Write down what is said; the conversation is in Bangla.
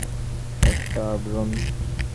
এটা একটা আবরণ।